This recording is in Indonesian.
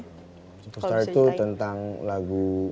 superstar itu tentang lagu